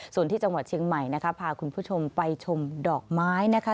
ส่วนที่จังหวัดเชียงใหม่นะคะพาคุณผู้ชมไปชมดอกไม้นะคะ